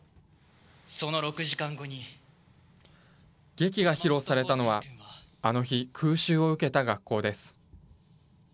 劇が披露されたのは、あの日、空襲を受けた学校です。